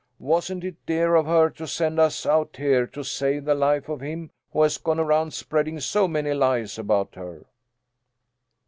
Wasn't it dear of her to send us out here to save the life of him who has gone around spreading so many lies about her?"